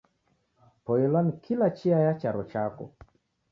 Poilwa ni kila chia ya charo chako.